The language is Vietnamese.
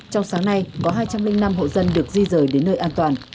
trong sáng nay có hai trăm linh năm hộ dân được di rời đến nơi an toàn